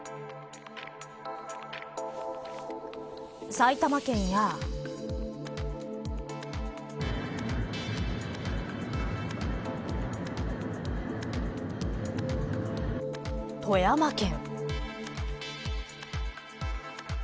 埼玉県や富山県。